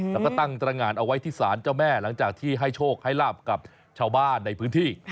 แล้วก็ตั้งตรงานเอาไว้ที่ศาลเจ้าแม่หลังจากที่ให้โชคให้ลาบกับชาวบ้านในพื้นที่